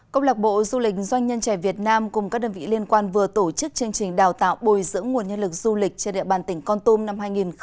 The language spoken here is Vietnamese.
công lạc bộ du lịch doanh nhân trẻ việt nam cùng các đơn vị liên quan vừa tổ chức chương trình đào tạo bồi dưỡng nguồn nhân lực du lịch trên địa bàn tỉnh con tôm năm hai nghìn hai mươi